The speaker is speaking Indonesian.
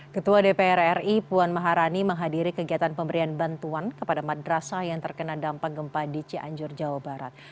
ketua dpr ri puan maharani menghadiri kegiatan pemberian bantuan kepada madrasah yang terkena dampak gempa di cianjur jawa barat